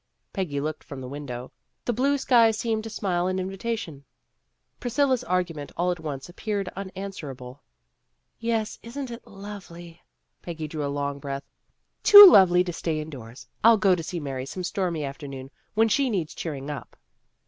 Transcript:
Peggy looked from the window. The blue sky seemed to smile an invitation. Priscilla 's argument all at once appeared unanswerable. "Yes, isn't it lovely!" Peggy drew a long breath. "Too lovely to stay indoors. I'll go to see Mary some stormy afternoon when she needs cheering up."